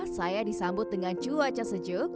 saya disambut dengan cuaca sejuk